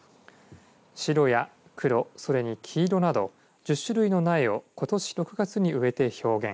白や黒、それに黄色など１０種類の苗をことし６月に植えて表現。